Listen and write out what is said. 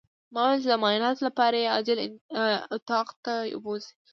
ما ويل چې د معايناتو لپاره يې عاجل اتاق ته بوځئ.